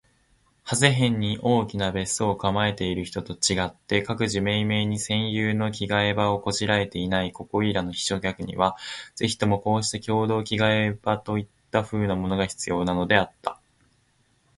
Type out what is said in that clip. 長谷辺（はせへん）に大きな別荘を構えている人と違って、各自めいめいに専有の着換場（きがえば）を拵（こしら）えていないここいらの避暑客には、ぜひともこうした共同着換所といった風（ふう）なものが必要なのであった。